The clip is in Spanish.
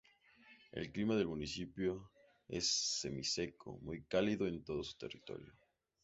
El clima del municipio es semiseco muy cálido en todo su territorio.